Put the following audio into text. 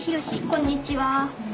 こんにちは。